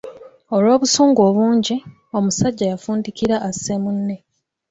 Olw’obusungu obungi, omusajja yafundikira asse munne.